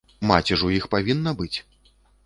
Маці ж у іх павінна быць.